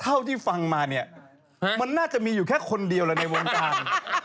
เท่าที่ฟังมาเนี่ยมันน่าจะมีอยู่แค่คนเดียวเลยในวงการ